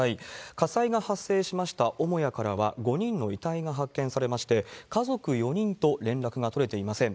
火災が発生しました母屋からは５人の遺体が発見されまして、家族４人と連絡が取れていません。